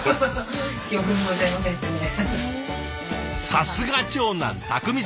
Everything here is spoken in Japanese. さすが長男匠さん！